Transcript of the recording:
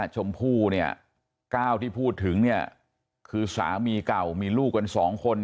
ชมพู่เนี่ย๙ที่พูดถึงเนี่ยคือสามีเก่ามีลูกกัน๒คน